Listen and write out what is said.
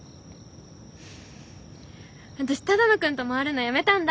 私只野くんと回るのやめたんだ。